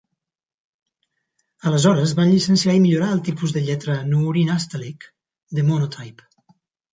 Aleshores, van llicenciar i millorar el tipus de lletra "Noori Nastaliq" de Monotype.